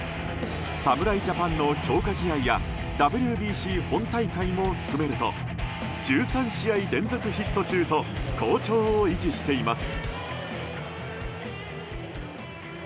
侍ジャパンの強化試合やＷＢＣ本大会も含めると１３試合連続ヒット中と好調を維持しています。